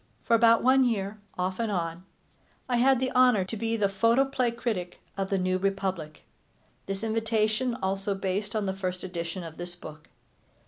For about one year, off and on, I had the honor to be the photoplay critic of The New Republic, this invitation also based on the first edition of this book.